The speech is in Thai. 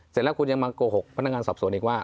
เสร็จแล้วคุณยังมาโกหกพนักงานสอบสวนอีกว่า